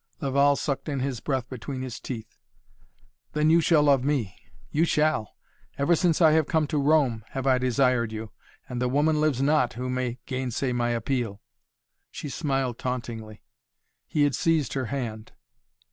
Laval sucked in his breath between his teeth. "Then you shall love me! You shall! Ever since I have come to Rome have I desired you! And the woman lives not who may gainsay my appeal." She smiled tauntingly. He had seized her hand.